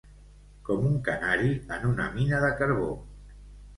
Com un canari en una mina de carbó.